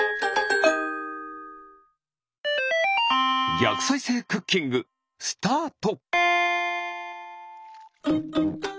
ぎゃくさいせいクッキングスタート！